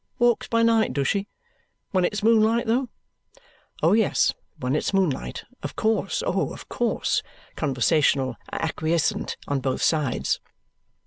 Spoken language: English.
Walks by night, does she? When it's moonlight, though?" Oh, yes. When it's moonlight! Of course. Oh, of course! Conversational and acquiescent on both sides.